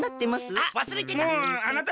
あっわすれてた。